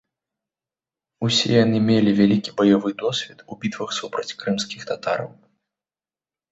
Усе яны мелі вялікі баявы досвед у бітвах супраць крымскіх татараў.